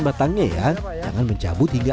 matangnya ya jangan mencabut hingga